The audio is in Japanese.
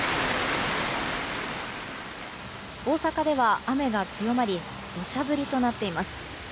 大阪では雨が強まり土砂降りとなっています。